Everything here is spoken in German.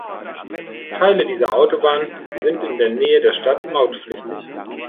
Teile dieser Autobahn sind in der Nähe der Stadt mautpflichtig.